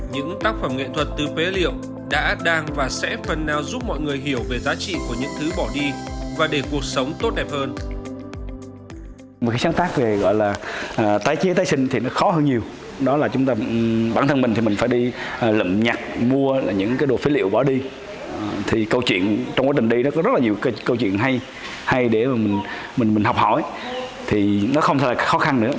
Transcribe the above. những tác phẩm nghệ thuật từ phế liệu đã đang và sẽ phần nào giúp mọi người hiểu về giá trị của những thứ bỏ đi và để cuộc sống tốt đẹp hơn